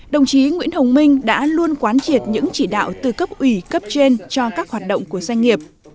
đồng chí nguyễn hồng minh đã luôn quán triệt những chỉ đạo từ cấp ủy cấp trên cho các hoạt động của doanh nghiệp